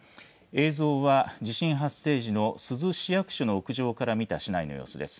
映像は地震発生時の珠洲市役所の屋上から見た市内の様子です。